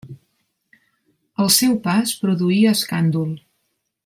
El seu pas produïa escàndol.